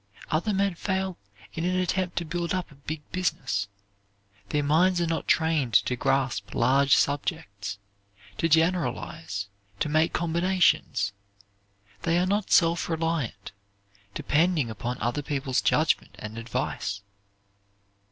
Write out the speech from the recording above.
Other men fail in an attempt to build up a big business; their minds are not trained to grasp large subjects, to generalize, to make combinations; they are not self reliant, depending upon other people's judgment and advice.